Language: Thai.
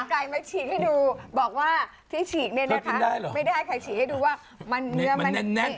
ไก่มาฉีกให้ดูบอกว่าที่ฉีกเนี่ยนะคะไม่ได้ค่ะฉีกให้ดูว่ามันเนื้อมันอย่างนี้